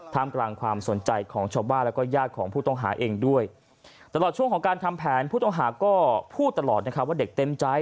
มกลางความสนใจของชาวบ้านแล้วก็ญาติของผู้ต้องหาเองด้วยตลอดช่วงของการทำแผนผู้ต้องหาก็พูดตลอดนะครับว่าเด็กเต็มใจ